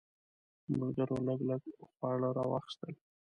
ملګرو لږ لږ خواړه راواخیستل.